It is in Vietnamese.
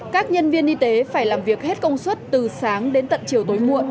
các nhân viên y tế phải làm việc hết công suất từ sáng đến tận chiều tối muộn